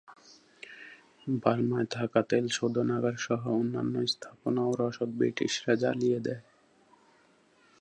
বার্মায় থাকা তেল শোধনাগারসহ অন্যান্য স্থাপনা ও রসদ ব্রিটিশরা জ্বালিয়ে দেয়।